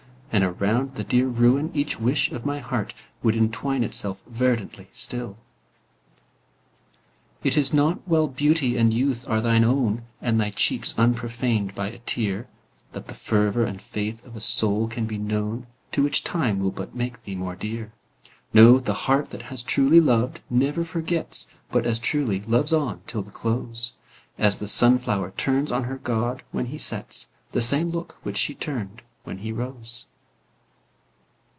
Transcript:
And around the dear ruin each wish of my heart Would entwine itself verdantly still. It is not while beauty and youth are thine own, And thy cheeks unprofaned by a tear, That the fervor and faith of a soul can be known, To which time will but make thee more dear; No, the heart that has truly loved never forgets, But as truly loves on to the close, As the sun flower turns on her god, when he sets, The same look which she turned when he rose.